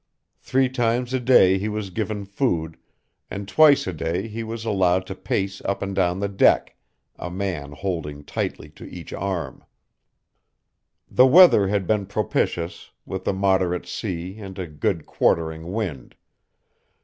Three times a day he was given food, and twice a day he was allowed to pace up and down the deck, a man holding tightly to each arm. The weather had been propitious, with a moderate sea and a good quartering wind.